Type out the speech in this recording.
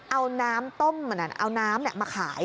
เอาน้ำต้มเอาน้ำมาขาย